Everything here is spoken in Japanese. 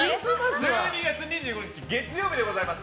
１２月２５日月曜日でございます。